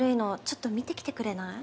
ちょっと見てきてくれない？